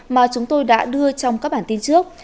mà chúng tôi đã đưa trong các bản tin trước